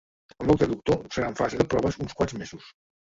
El nou traductor serà en fase de proves uns quants mesos.